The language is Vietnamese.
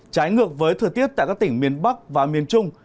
trái ngược với thời tiết tại các tỉnh miền bắc và miền trung